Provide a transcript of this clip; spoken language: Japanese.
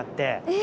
え！